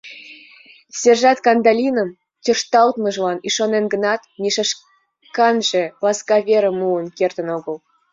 Сержант Кандалинын тӧрланымыжлан ӱшанен гынат, Миша шканже ласка верым муын кертын огыл.